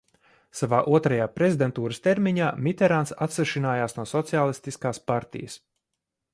Savā otrajā prezidentūras termiņā Miterāns atsvešinājās no Sociālistiskās partijas.